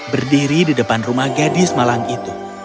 berdiri di depan rumah gadis malang itu